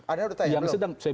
ada yang sudah tanya belum